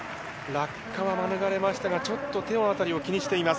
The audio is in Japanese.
落下は免れましたが、ちょっと手の辺りを気にしています。